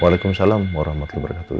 waalaikumsalam warahmatullahi wabarakatuh